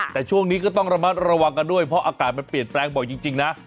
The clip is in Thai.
แต่ช่วงนี้ก็ต้องระมัดระวังกันด้วยเพราะอากาศมันเปลี่ยนแปลงบ่อยจริงนะ